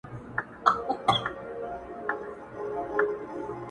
د خپل ژوند عکس ته گوري.